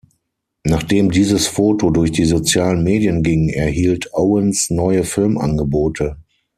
Nachdem dieses Foto durch die sozialen Medien ging, erhielt Owens neue Filmangebote.